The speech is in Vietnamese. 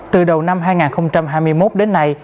từ đầu năm hai nghìn hai mươi một đến nay